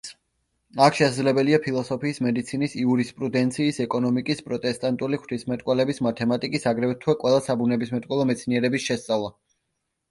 აქ შესაძლებელია ფილოსოფიის, მედიცინის, იურისპრუდენციის, ეკონომიკის, პროტესტანტული ღვთისმეტყველების, მათემატიკის, აგრეთვე ყველა საბუნებისმეტყველო მეცნიერების შესწავლა.